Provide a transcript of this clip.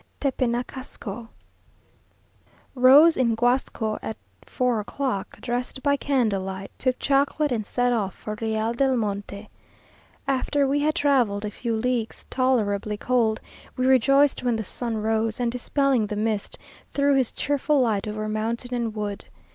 TEPENACASCO. Rose in Guasco at tour o'clock; dressed by candle light, took chocolate, and set off for Real del Monte. After we had travelled a few leagues, tolerably cold, we rejoiced when the sun rose, and dispelling the mist, threw his cheerful light over mountain and wood.